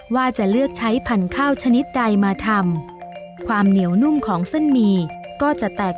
ว่าจะเลือกใช้พันธุ์ข้าวชนิดใดมาทำความเหนียวนุ่มของเส้นหมี่ก็จะแตก